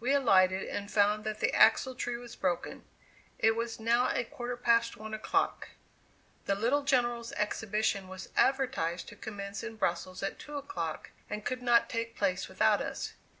We alighted, and found that the axle tree was broken. It was now a quarter past one o'clock. The little General's exhibition was advertised to commence in Brussels at two o'clock, and could not take place without us.